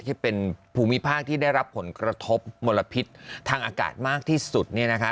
ที่เป็นภูมิภาคที่ได้รับผลกระทบมลพิษทางอากาศมากที่สุดเนี่ยนะคะ